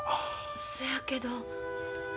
そやけど。